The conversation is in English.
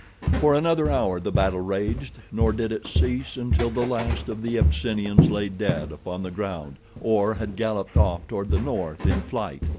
For another hour the battle raged nor did it cease until the last of the Abyssinians lay dead upon the ground, or had galloped off toward the north in flight.